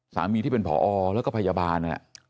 ที่เป็นผอแล้วก็พยาบาล